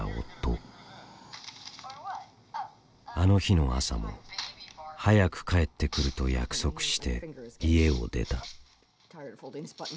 あの日の朝も早く帰ってくると約束して家を出た。